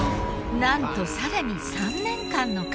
なんとさらに３年間の乾燥。